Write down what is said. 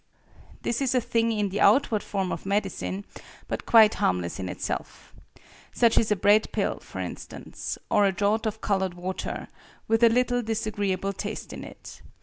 This is a thing in the outward form of medicine, but quite harmless in itself. Such is a bread pill, for instance; or a draught of colored water, with a little disagreeable taste in it.